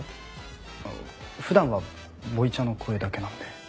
普段はボイチャの声だけなので。